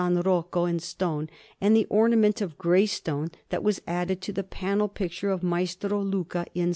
Rocco in stone, and the ornament of grey stone that was added to the panel picture of Maestro Luca in S.